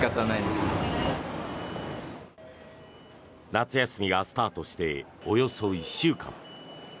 夏休みがスタートしておよそ１週間。